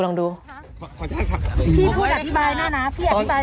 พี่พูดอธิบายหน้านะ